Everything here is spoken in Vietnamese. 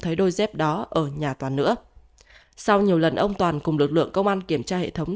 thấy đôi dép đó ở nhà toàn nữa sau nhiều lần ông toàn cùng lực lượng công an kiểm tra hệ thống